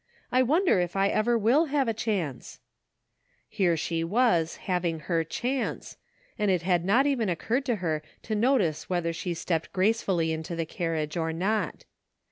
I wonder if I ever will have a chance ?" Here she was having her ''chance," and it had not even occurred to her to notice whether she stepped gracefully into the carriage or not.